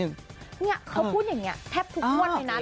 เนี่ยเค้าพูดแบบนี้แทบทุกวันไว้นั้น